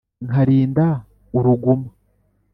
nkarinda uruguma